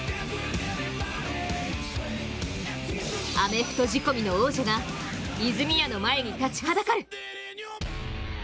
アメフト仕込みの王者が泉谷の前に立ちはだかる。